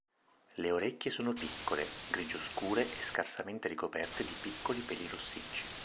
Le orecchie sono piccole, grigio scure e scarsamente ricoperte di piccoli peli rossicci.